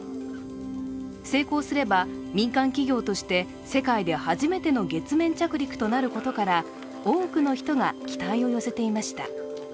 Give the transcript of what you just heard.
成功すれば民間企業として世界で初めての月面着陸となることから多くの人が期待を寄せていました。